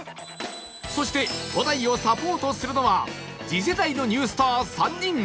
そして伍代をサポートするのは次世代のニュースター３人